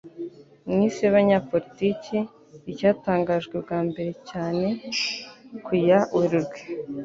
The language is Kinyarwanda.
Mwisi Yabanyapolitiki Icyatangajwe Bwa mbere Cyane Ku ya Werurwe